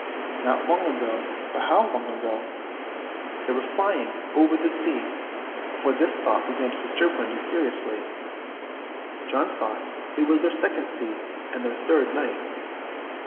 Not long ago. But how long ago? They were flying over the sea before this thought began to disturb Wendy seriously. John thought it was their second sea and their third night.